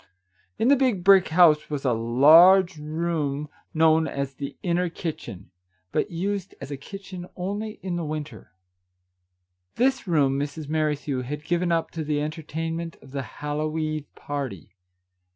In the Big Brick House was a large room Our Little Canadian Cousin 73 known as " the inner kitchen," but used as a kitchen only in the winter. This room Mrs. Merrithew had given up to the enter tainment of the Hallow eve party.